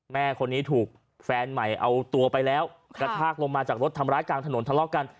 แม่คนนี้ถูกแฟนใหม่เอาตัวไปแล้วกระชากลงมาจากรถทำร้ายกลางถนนทะเลาะกัน